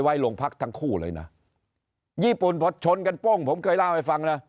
ไว้ลงพักทั้งคู่เลยนะญี่ปุ่นพอชนกันโป้งผมเคยเล่าให้ฟังนะ